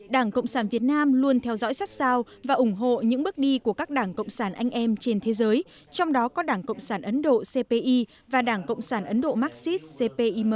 đảng cộng sản việt nam luôn theo dõi sát sao và ủng hộ những bước đi của các đảng cộng sản anh em trên thế giới trong đó có đảng cộng sản ấn độ cpi và đảng cộng sản ấn độ marxistim